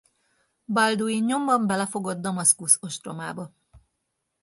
Balduin nyomban belefogott Damaszkusz ostromába.